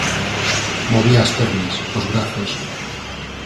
Movía as pernas, os brazos.